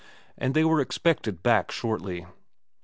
And they were expected back shortly.